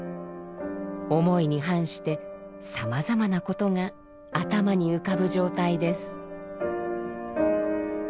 思いに反してさまざまなことが頭に浮かぶ状態です。